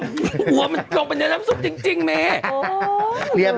ปุ๊บหัวมันลงไปในน้ำซุปจริงเนี่ย